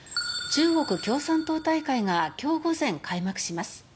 中国共産党大会が今日午前、開幕します。